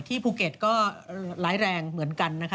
ภูเก็ตก็ร้ายแรงเหมือนกันนะคะ